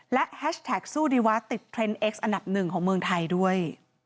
และแฮชแท็กสู้ดีวะติดเทรนดเอ็กซ์อันดับหนึ่งของเมืองไทยด้วย